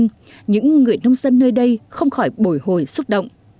những mầm cây đầu tiên những người nông dân nơi đây không khỏi bồi hồi xúc động